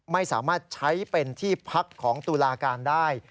ไม่สามารถใช้เป็นที่พักของตุลาการได้